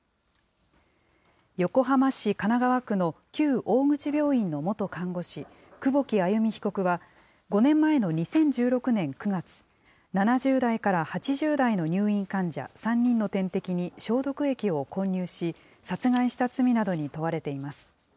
横浜市神奈川区の旧大口病院の元看護師、久保木愛弓被告は、５年前の２０１６年９月、７０代から８０代の入院患者３人の点滴に消毒液を混入し、殺害した罪などに問われています。